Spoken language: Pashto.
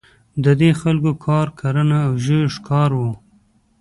د دې خلکو کار کرنه او ژویو ښکار وو.